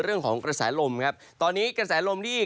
เรื่องของกระแสลมครับตอนนี้กระแสลมที่